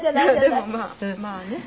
「でもまあまあね」